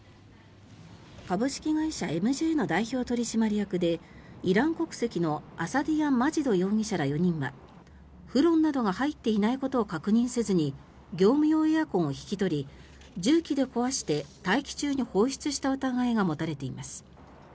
株式会社ＭＪの代表取締役でイラン国籍のアサディアン・マジド容疑者ら４人はフロンなどが入っていないことを確認せずに業務用エアコンを引き取り重機で壊して大気中に放出した疑いが持たれています。